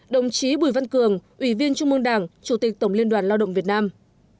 ba mươi hai đồng chí bùi văn cường ủy viên trung mương đảng chủ tịch tổng liên đoàn lao động việt nam